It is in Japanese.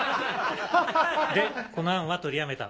でこの案は取りやめた。